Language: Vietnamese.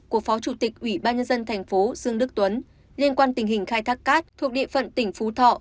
của phó chủ tịch ủy ban nhân dân thành phố dương đức tuấn liên quan tình hình khai thác cát thuộc địa phận tỉnh phú thọ